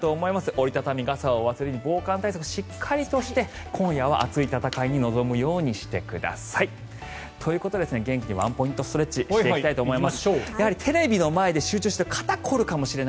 折り畳み傘を忘れないように防寒対策をしっかりして今夜は熱い戦いに臨むようにしてください。ということで元気にワンポイントストレッチをしてきたいと思います。